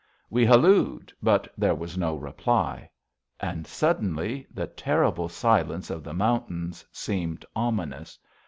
We hallooed, but there was no reply. And, suddenly, the terrible silence of the mountains seemed ominous.